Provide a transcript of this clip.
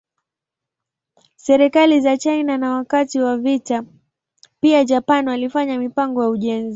Serikali za China na wakati wa vita pia Japan walifanya mipango ya ujenzi.